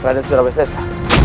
raden surabaya sesa